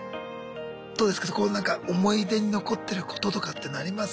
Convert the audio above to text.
どうですかこうなんか思い出に残ってることとかっていうのあります？